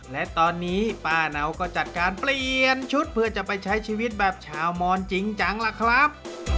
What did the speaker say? และตอนนี้ป้าเหนาก็จัดการเปลี่ยนชุดเพื่อจะไปใช้ชีวิตแบบชาวมอนจริงจังล่ะครับ